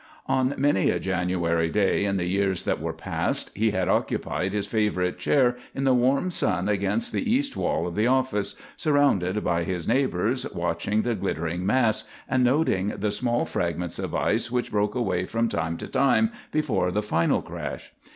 On many a January day, in the years that were past, he had occupied his favorite chair in the warm sun against the east wall of the office, surrounded by his neighbors, watching the glittering mass, and noting the small fragments of ice which broke away from time to time before the final crash.